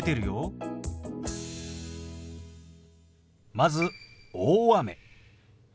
まず「大雨」。